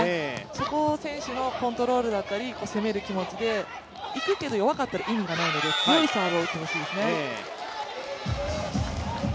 そこを選手のコントロールだったり、攻める気持ちで、行くけど、弱かったら意味がないので、強いサーブを打つんですよね。